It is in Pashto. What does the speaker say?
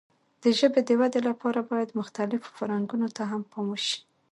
د ژبې د وده لپاره باید مختلفو فرهنګونو ته هم پام وشي.